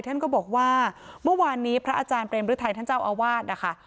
ท่านก็บอกว่าเมื่อวานนี้พระอาจารย์เปรมฤทัยท่านเจ้าอาวาสนะคะ